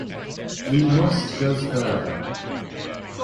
We must go further.